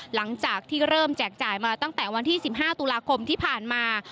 หลังจากที่เริ่มแจกจ่ายมาตั้งแต่วันที่๑๕ตุลาคมที่ผ่านมา